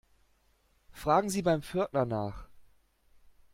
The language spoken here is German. Fragen Sie beim Pförtner nach.